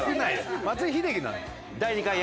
松井秀喜なのよ。